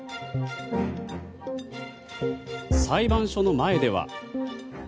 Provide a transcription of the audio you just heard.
裁判所の前では。